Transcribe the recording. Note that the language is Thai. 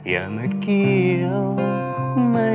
อยากเป็นคนที่เกียร้าย